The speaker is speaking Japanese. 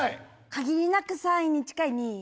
限りなく３位に近い２位。